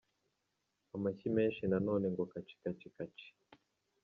Amashyi menshi nanone ngo kaci kaci kaci kaci….